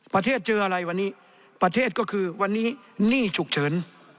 เจออะไรวันนี้ประเทศก็คือวันนี้หนี้ฉุกเฉิน